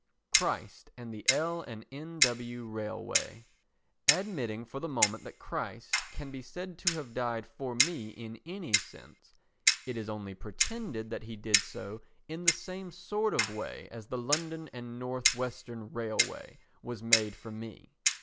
Christ and the L. & N.W. Railway Admitting for the moment that Christ can be said to have died for me in any sense, it is only pretended that he did so in the same sort of way as the London and North Western Railway was made for me.